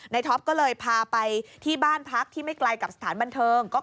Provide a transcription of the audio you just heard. ท็อปก็เลยพาไปที่บ้านพักที่ไม่ไกลกับสถานบันเทิง